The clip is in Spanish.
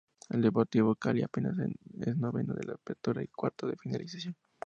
El Deportivo Cali apenas es noveno del Apertura y cuarto del Finalización.